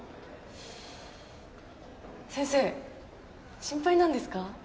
先生心配なんですか？